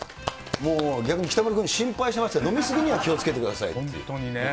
もう逆に北村君、心配してました、飲み過ぎには気をつけてくださいって。